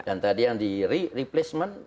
dan tadi yang di replacement